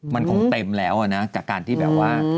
มันคงเต็มแล้วนะจากการที่แบบว่า